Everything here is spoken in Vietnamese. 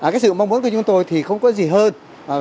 cái sự mong muốn của chúng tôi thì không có gì hơn